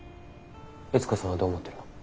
悦子さんはどう思ってるの？